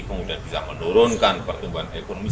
kemudian bisa menurunkan pertumbuhan ekonomi